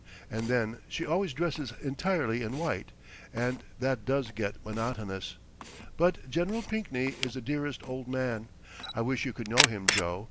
And then she always dresses entirely in white, and that does get monotonous. But Gen. Pinkney is the dearest old man! I wish you could know him, Joe.